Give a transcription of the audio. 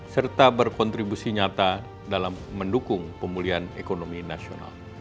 serta berkontribusi nyata dalam mendukung pemulihan ekonomi nasional